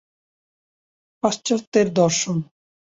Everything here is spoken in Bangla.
পাশ্চাত্যের দর্শন।